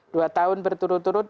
dua tahun berturut turut